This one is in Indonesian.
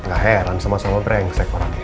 gak heran sama sama brengsek orangnya